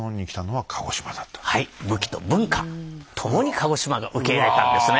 はい武器と文化共に鹿児島が受け入れたんですね。